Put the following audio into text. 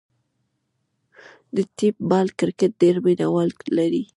د ټیپ بال کرکټ ډېر مینه وال لري.